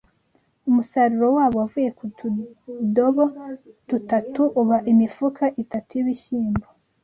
umusaruro wabo wavuye ku tudobo dutatu uba imifuka itatuy’ibishyimbo.